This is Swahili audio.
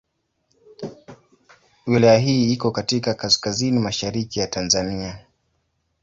Wilaya hii iko katika kaskazini mashariki ya Tanzania.